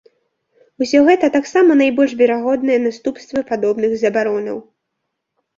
Усё гэта таксама найбольш верагодныя наступствы падобных забаронаў.